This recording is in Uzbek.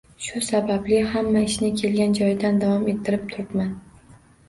Shu sababli, hamma ishni kelgan joyidan davom ettirib turibman.